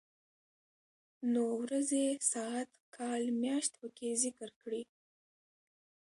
نو ورځې ،ساعت، کال ،مياشت پکې ذکر کړي.